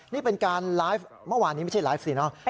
นี่เป็นการไลฟ์เมื่อวานนี้ไม่ใช่ไลฟ์สิเนอะ